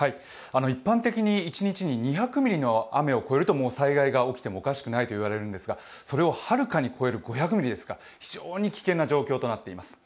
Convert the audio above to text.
一般的に一日に２００ミリの雨を超えると災害が起きてもおかしくないといわれるんですがそれをはるかに超える５００ミリですから非常に危険な状況となっています。